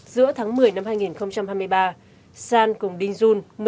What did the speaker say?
giữa tháng một mươi năm hai nghìn hai mươi ba san cùng đinh jun